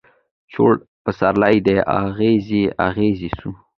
جوړ پسرلی دي اغزی اغزی سو